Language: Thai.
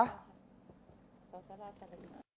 ก็อยากให้เขามอบเหมือนกัน